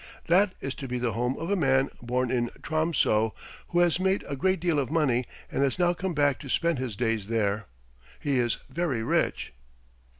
"That is to be the home of a man born in Tromso who has made a great deal of money and has now come back to spend his days there. He is very rich."